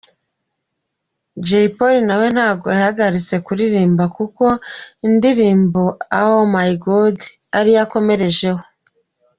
Jay Polly nawe ntabwo yahagaritse kuririmba kuko indirimbo ’Oh My God’ ariyo akomerejeho.